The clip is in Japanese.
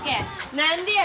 何でや？